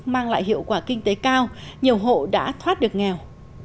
mang lại hiệu quả kinh tế cao nhiều hộ đã thoát được nghèo